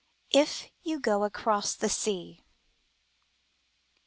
"IF YOU GO ACROSS THE SEA!"